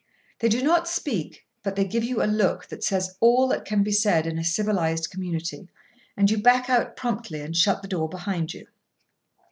They do not speak, but they give you a look that says all that can be said in a civilised community; and you back out promptly and shut the door behind you.